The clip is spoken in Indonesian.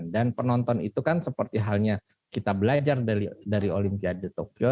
dan penonton itu kan seperti halnya kita belajar dari olimpiade tokyo